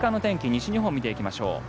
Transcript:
西日本を見ていきましょう。